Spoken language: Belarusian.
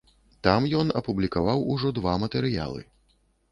Там ён апублікаваў ужо два матэрыялы.